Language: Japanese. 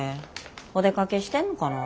お出かけしてんのかな。